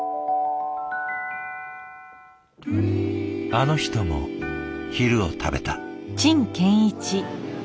あの人も昼を食べた。